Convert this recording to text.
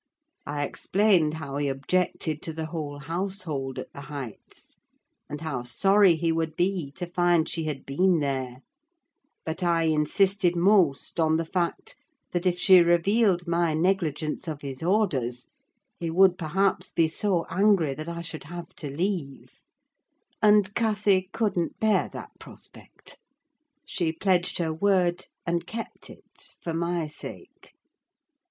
I explained how he objected to the whole household at the Heights, and how sorry he would be to find she had been there; but I insisted most on the fact, that if she revealed my negligence of his orders, he would perhaps be so angry that I should have to leave; and Cathy couldn't bear that prospect: she pledged her word, and kept it for my sake.